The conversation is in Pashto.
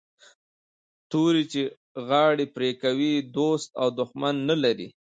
توري چي غاړي پرې کوي دوست او دښمن نه لري